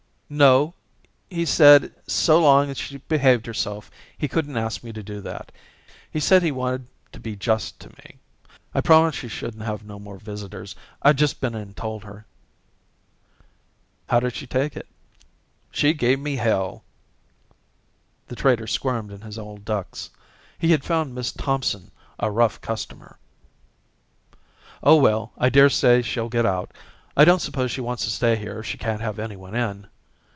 "No, he said so long as she behaved herself he couldn't ask me to do that. He said he wanted to be just to me. I promised she shouldn't have no more visitors. I've just been and told her." "How did she take it?" "She gave me Hell." The trader squirmed in his old ducks. He had found Miss Thompson a rough customer. "Oh, well, I daresay she'll get out. I don't suppose she wants to stay here if she can't have anyone in."